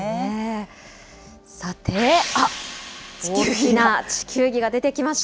さて、あっ、大きな地球儀が出てきました。